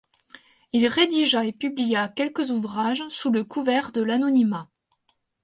Il rédigea et publia quelques ouvrages sous le couvert de l'anonymat.